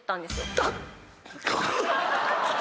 だっ。